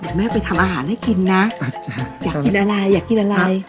เดี๋ยวแม่ไปทำอาหารให้กินนะอ่ะจ้ะอยากกินอะไรอยากกินอะไร